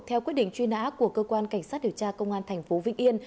theo quyết định truy nã của cơ quan cảnh sát điều tra công an tp vĩnh yên